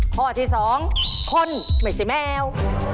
ข้อที่๒คนไม่ใช่แมว